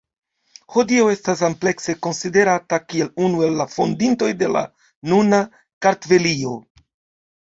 Hodiaŭ estas amplekse konsiderata kiel unu el la fondintoj de la nuna Kartvelio.